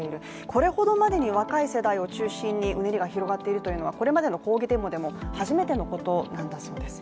これほどまでに若い世代を中心にうねりが広がっているというのはこれまでの抗議デモでも初めてのことなんだそうです。